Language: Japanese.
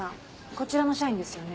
こちらの社員ですよね？